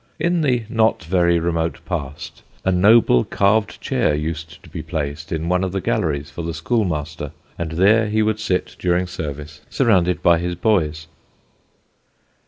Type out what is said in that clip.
In the not very remote past a noble carved chair used to be placed in one of the galleries for the schoolmaster, and there would he sit during service surrounded by his boys.